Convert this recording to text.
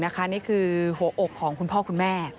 นี่คือหัวอกของคุณพ่อคุณแม่